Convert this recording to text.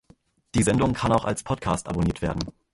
Die Sendung kann auch als Podcast abonniert werden.